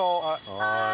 はい！